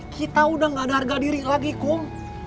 kita udah gak ada harga diri lagi kum